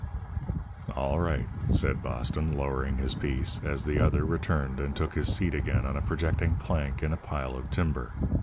'" "All right," said Boston, lowering his piece, as the other returned and took his seat again on a projecting plank in a pile of timber.